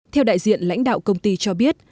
theo đại diện lãnh đạo công ty cho biết